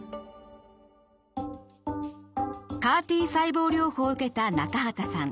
ＣＡＲ−Ｔ細胞療法を受けた中畠さん。